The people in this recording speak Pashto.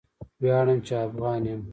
ویاړم چې افغان یم!